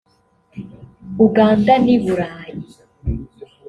Uganda n’i Burayi